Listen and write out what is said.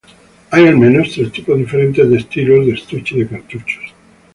Hay al menos tres tipos diferentes de estilos de estuche de cartuchos.